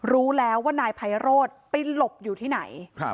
รู้แล้วว่านายไพโรธไปหลบอยู่ที่ไหน